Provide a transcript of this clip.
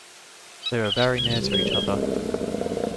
They were very near to each other.